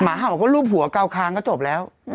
หมาเห่าก็รูปหัวกาวคางก็จบแล้ว